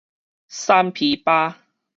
瘦卑巴